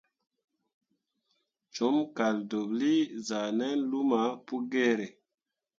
Com kaldeɓlii zah nan luma Pugiere.